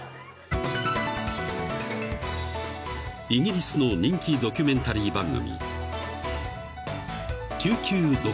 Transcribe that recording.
［イギリスの人気ドキュメンタリー番組］